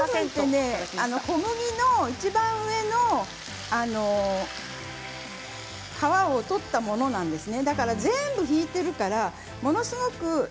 小麦のいちばん上の皮を取ったものなんですね。